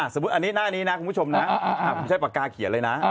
สมมุติอันนี้หน้านี้นะคุณผู้ชมนะไม่ใช่ปากกาเขียนเลยนะ